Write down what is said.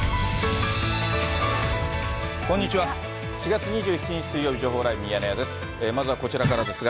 ４月２７日水曜日、情報ライブミヤネ屋です。